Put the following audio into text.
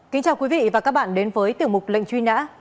kính chào quý vị và các bạn đến với tiểu mục lệnh truy nã